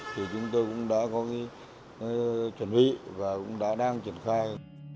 thì chúng tôi cũng đã có chuẩn bị và cũng đã đang triển khai